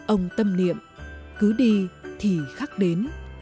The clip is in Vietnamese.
ông tâm niệm cứ đi thì khắc đến